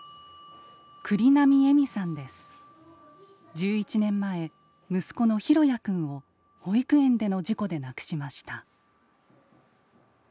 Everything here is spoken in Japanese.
１１年前息子の寛也くんを保育園での事故で亡くしました。